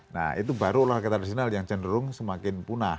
nah itu baru olahraga tradisional yang cenderung semakin punah